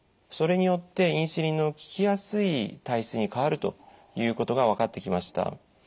それによってインスリンの効きやすい体質に変わるということが分かってきました。